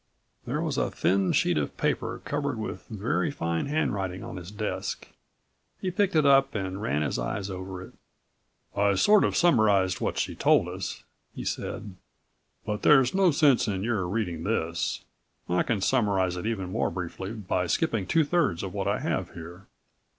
There was a thin sheet of paper covered with very fine handwriting on his desk. He picked it up and ran his eyes over it. "I sort of summarized what she told us," he said. "But there's no sense in your reading this. I can summarize it even more briefly by skipping two thirds of what I have here."